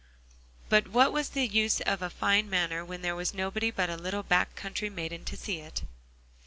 But what was the use of a fine manner when there was nobody but a little back country maiden to see it?